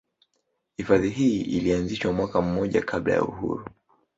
Hifadhi hii ilianzishwa mwaka mmoja kabla ya uhuru